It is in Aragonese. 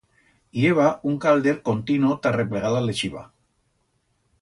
I heba un calder contino ta replegar la leixiva.